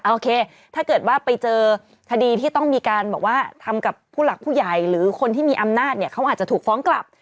โอเคถ้าเกิดว่าไปเจอคดีที่ต้องมีการบอกว่าทำกับผู้หลักผู้ใหญ่หรือคนที่มีอำนาจเนี่ยเขาอาจจะถูกฟ้องกลับ